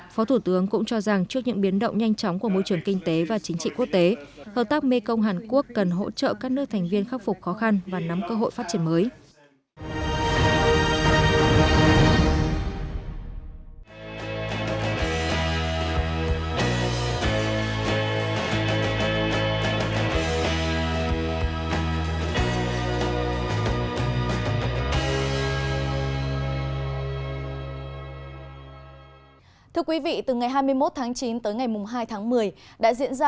phó thủ tướng cũng cho rằng trước những biến động nhanh chóng của môi trường kinh tế và chính trị quốc tế hợp tác mê công hàn quốc cần hỗ trợ các nước thành viên khắc phục khó khăn và nắm cơ hội phát triển mới